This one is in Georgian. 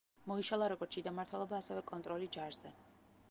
მოიშალა როგორც შიდა მმართველობა, ასევე კონტროლი ჯარზე.